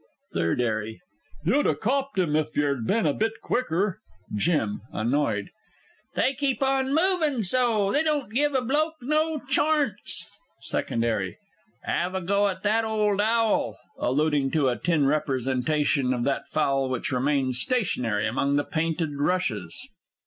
THIRD 'ARRY. You'd ha' copped 'im if yer'd bin a bit quicker. JIM (annoyed). They keep on movin' so, they don't give a bloke no chornce! SECOND 'ARRY. 'Ave a go at that old owl. [_Alluding to a tin representation of that fowl which remains stationary among the painted rushes.